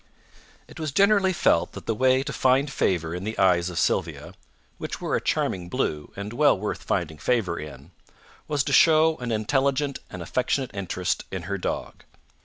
It was generally felt that the way to find favour in the eyes of Sylvia which were a charming blue, and well worth finding favour in was to show an intelligent and affectionate interest in her dog.